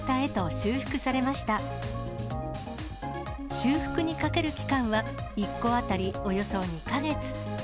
修復にかける期間は１個当たりおよそ２か月。